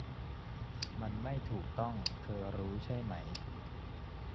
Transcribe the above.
มันไม่ถูกต้องเธอรู้ใช่ไหม